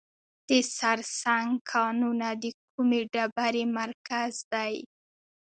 د سرسنګ کانونه د کومې ډبرې مرکز دی؟